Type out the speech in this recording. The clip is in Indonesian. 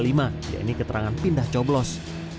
yakni keterangan pindah coblos